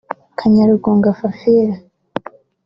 Kanyarugunga Fafil